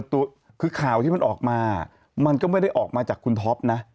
คือข่าวที่มันออกมามันก็ไม่ได้ออกมาจากคุณท็อปนะ